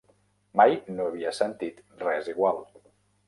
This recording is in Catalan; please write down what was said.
Mai no havia sentit res igual.